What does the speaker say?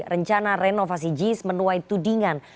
rencana renovasi jis menuai tudingan